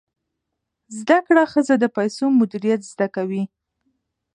زده کړه ښځه د پیسو مدیریت زده کوي.